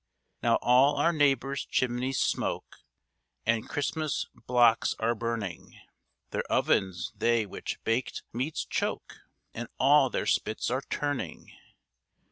Now all our neighbours' chimneys smoke, And Christmas blocks are burning; Their ovens they with bak't meats choke, And all their spits are turning.